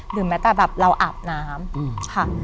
แม้แต่แบบเราอาบน้ำค่ะ